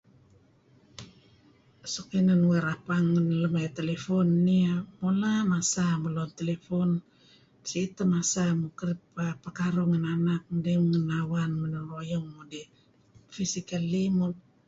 Suk inan uih rapang ngan ayu' telefon nih ah mula' masa muh luun telepon, si'it teh masa muh kerib pekaruh ngen anak mudih, ngen awan, ngen lun ruyung mudih physically.